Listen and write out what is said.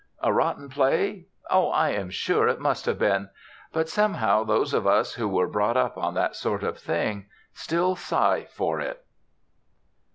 A rotten play? Oh, I am sure it must have been. But, somehow, those of us who were brought up on that sort of thing, still sigh for it.